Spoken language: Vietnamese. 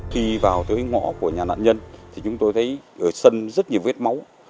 khi vào tới ngõ của nhà nạn nhân thì chúng tôi thấy ở sân rất nhiều vết máu